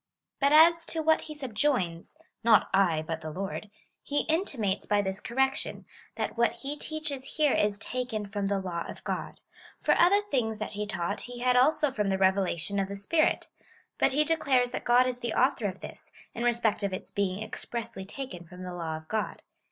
But as to what he subjoins — not I, but the Lord — he in timates by this correction, that wdiat he teaches here is taken from the law of God. For other things that he taught he had also from the revelation of the Spirit ; but he declares that God is the author of this, in respect of its being ex pressly taken from the law of God.